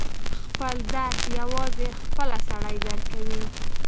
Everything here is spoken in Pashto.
خپل درد یوازې خپله سړی درک کوي.